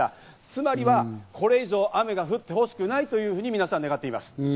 つまりはこれ以上雨が降ってほしくないというふうに皆さん願っています。